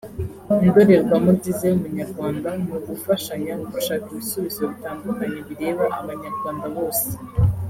Indorerwamo nziza y’umunyarwanda ni ugufashanya gushaka ibisubizo bitandukanye bireba Abanyarwanda bose